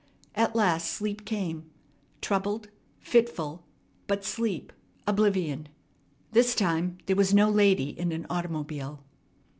At last sleep came, troubled, fitful, but sleep, oblivion. This time there was no lady in an automobile.